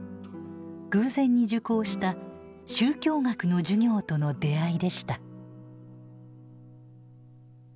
偶然に受講した宗教学の授業との出会いでした。